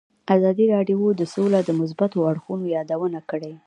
ازادي راډیو د سوله د مثبتو اړخونو یادونه کړې.